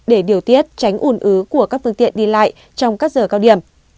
để điều tiết tránh ủn ứ của các phương tiện đi lại trong các giờ cao điểm